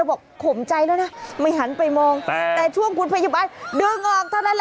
โอ้โฮโอ้โฮ